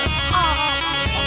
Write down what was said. lo sudah bisa berhenti